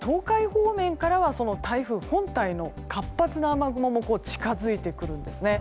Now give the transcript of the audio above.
方面からはその台風本体の活発な雨雲も近づいてくるんですね。